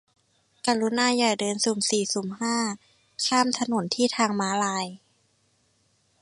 กรุณาอย่าเดินสุ่มสี่สุ่มห้า ข้ามถนนที่ทางม้าลาย